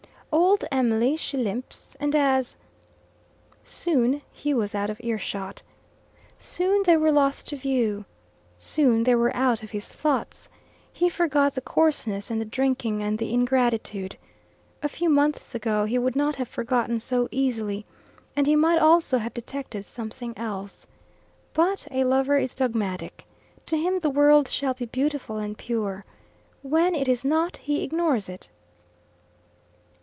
"'Old Em'ly she limps, And as '" Soon he was out of earshot. Soon they were lost to view. Soon they were out of his thoughts. He forgot the coarseness and the drinking and the ingratitude. A few months ago he would not have forgotten so quickly, and he might also have detected something else. But a lover is dogmatic. To him the world shall be beautiful and pure. When it is not, he ignores it.